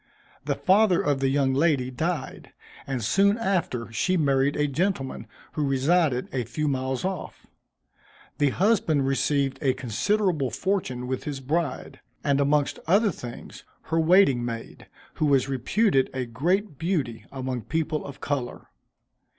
The father of the young lady died, and soon after she married a gentleman who resided a few miles off. The husband received a considerable fortune with his bride, and amongst other things, her waiting maid, who was reputed a great beauty among people of color.